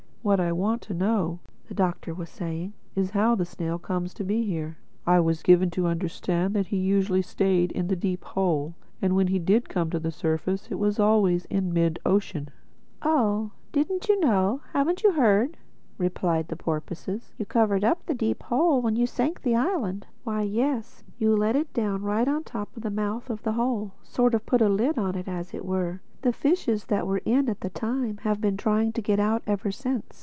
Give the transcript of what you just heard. "What I want to know," the Doctor was saying, "is how the snail comes to be here. I was given to understand that he usually stayed in the Deep Hole; and that when he did come to the surface it was always in mid ocean." "Oh, didn't you know?—Haven't you heard?" the porpoises replied: "you covered up the Deep Hole when you sank the island. Why yes: you let it down right on top of the mouth of the Hole—sort of put the lid on, as it were. The fishes that were in it at the time have been trying to get out ever since.